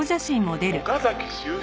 「岡崎周平。